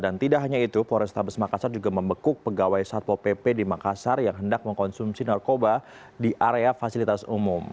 dan tidak hanya itu polres tabes makassar juga membekuk pegawai satpo pp di makassar yang hendak mengkonsumsi narkoba di area fasilitas umum